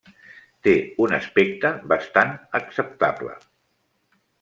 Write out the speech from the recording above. Té un aspecte bastant acceptable.